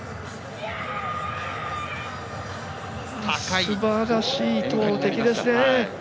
すばらしい投てきですね。